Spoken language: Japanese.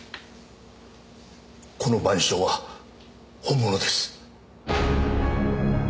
この『晩鐘』は本物です。